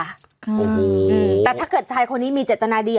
อื้อหูยยยยแต่ถ้าเกิดชายคนนี้มีจตนาดี